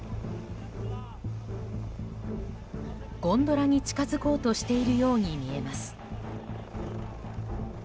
ゴンドラに近づこうとしているように見えます。